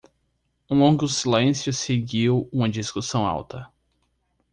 Um longo silêncio seguiu uma discussão alta.